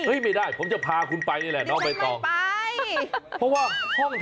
เห้ยไม่ได้ผมจะพาคุณไปนี่แหละเนาะไปต่อ